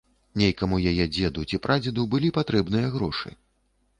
Нейкаму яе дзеду ці прадзеду былі патрэбныя грошы.